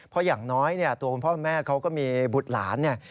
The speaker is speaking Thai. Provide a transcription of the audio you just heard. เพราะอย่างน้อยเนี่ยตัวคุณพ่อแม่เขาก็มีบุตรหลานเนี่ย